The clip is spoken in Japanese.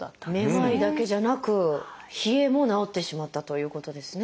めまいだけじゃなく冷えも治ってしまったということですね。